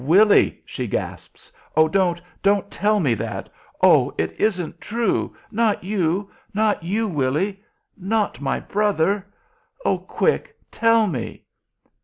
"Willy!" she gasps "oh, don't don't tell me that! Oh, it isn't true? Not you not you, Willy. Not my brother! Oh, quick! Tell me."